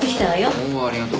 おおありがとう。